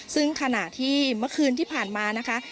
ซึ่งขณะที่เมื่อคืนที่ผ่านมานะคะ